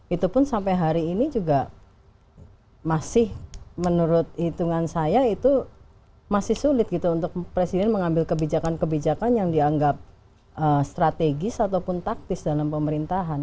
itu pun sampai hari ini juga masih menurut hitungan saya itu masih sulit gitu untuk presiden mengambil kebijakan kebijakan yang dianggap strategis ataupun taktis dalam pemerintahan